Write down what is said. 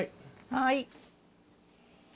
はい。